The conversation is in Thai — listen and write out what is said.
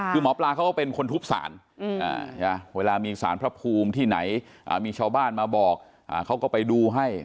คือหมอปลาเขาก็เป็นคนทุบสารเวลามีสารพระภูมิที่ไหนมีชาวบ้านมาบอกเขาก็ไปดูให้